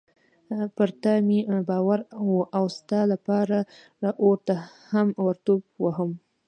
پر تا مې باور و او ستا لپاره اور ته هم ورټوپ وهم.